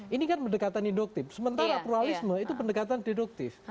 ini kan pendekatan induktif sementara pluralisme itu pendekatan deduktif